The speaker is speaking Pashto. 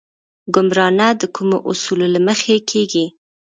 ګمارنه د کومو اصولو له مخې کیږي؟